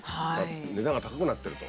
値段が高くなってると。